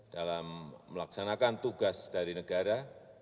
dalam melaksanakan tugas dari negara